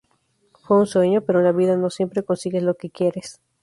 Fue un sueño, pero en la vida no siempre consigues lo que quieres.